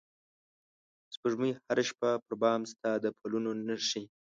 سپوږمۍ هره شپه پر بام ستا د پلونو نښې